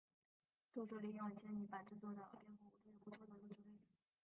多数利用纤泥板制作的蝙蝠屋都有不错的入住率。